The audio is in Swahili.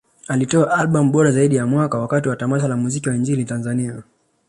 Alitoa Albam bora zaidi ya Mwaka wakati wa tamasha la Muziki wa Injili Tanzania